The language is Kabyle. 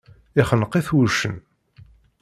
Ixneq-it wuccen.